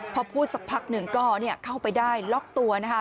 พอพูดสักพักหนึ่งก็เข้าไปได้ล็อกตัวนะคะ